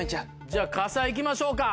じゃあ傘行きましょうか。